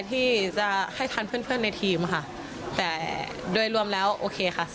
ที่จะให้ทันเพื่อนในทีมค่ะแต่โดยรวมแล้วโอเคค่ะ